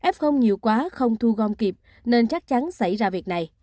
f nhiều quá không thu gom kịp nên chắc chắn xảy ra việc này